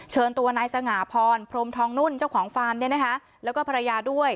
เชิญตัวนายสง่าพรพรมทองนุ่นเจ้าของฟาร์มเนี่ยนะคะแล้วก็ภรรยาด้วย